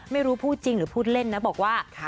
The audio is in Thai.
ไม่รู้พูดจริงหรือพูดเล่นนะบอกว่า